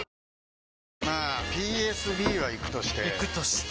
まあＰＳＢはイクとしてイクとして？